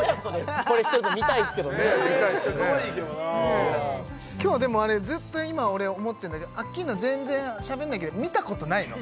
ねえ見たいですよね・かわいいけどな今日はでもあれずっと今俺思ってるんだけどアッキーナ全然しゃべんないけど見たことないの？